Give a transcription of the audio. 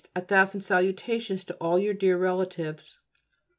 A thousand salutations to all your dear relatives.